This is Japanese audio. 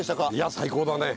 最高だね。